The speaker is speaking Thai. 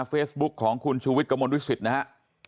เฟสบุ๊กของขุนชุวิตกระมวลวิสิตนะฮะ